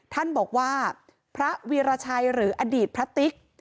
ท่านบอกว่าพระวีรชัยหรืออดีตพระติ๊ก